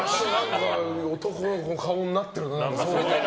男の顔になってるな！